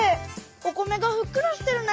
お米がふっくらしてるね。